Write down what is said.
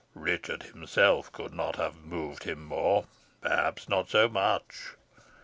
Richard himself could not have moved him more perhaps not so much.